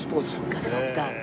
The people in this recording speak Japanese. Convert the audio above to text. そっかそっか。